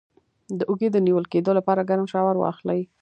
د اوږې د نیول کیدو لپاره ګرم شاور واخلئ